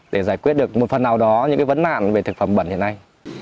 để giải quyết được một phần nào đó những vấn nạn về thực phẩm bẩn hiện nay